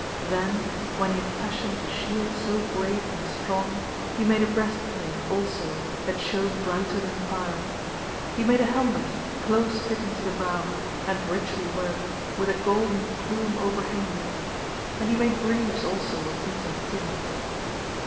Then when he had fashioned the shield so great and strong, he made a breastplate also that shone brighter than fire. He made a helmet, close fitting to the brow, and richly worked, with a golden plume overhanging it; and he made greaves also of beaten tin.